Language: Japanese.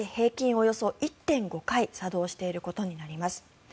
およそ１．５回作動していることになります。